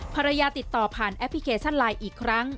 ภรรยาติดต่อผ่านแอปพลิเคชันไลน์อีกครั้ง